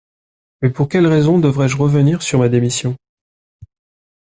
Mais pour quelle raison devrais-je revenir sur ma démission?